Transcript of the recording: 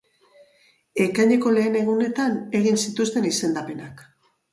Ekaineko lehen egunetan egin zituzten izendapenak.